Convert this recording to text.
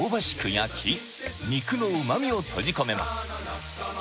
焼き肉の旨みを閉じ込めます